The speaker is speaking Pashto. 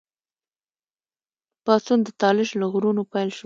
پاڅون د طالش له غرونو پیل شو.